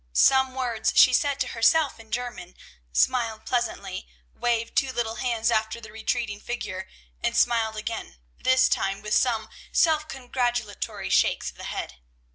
Some words she said to herself in German, smiled pleasantly, waved two little hands after the retreating figure, and smiled again, this time with some self congratulatory shakes of the head.